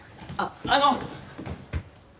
あっあの！